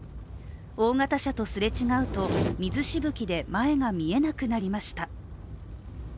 大型車とすれ違うと水しぶきで前が見えなくなりました。